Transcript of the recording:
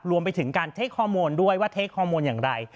รวมไปถึงการเทคฮอร์โมนด้วยว่าเทคฮอร์โมนอย่างไร